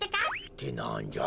ってなんじゃ？